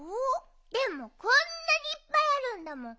でもこんなにいっぱいあるんだもん。